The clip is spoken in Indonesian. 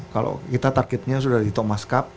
kalau kita targetnya sudah di thomas cup